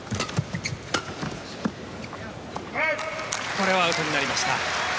これはアウトになりました。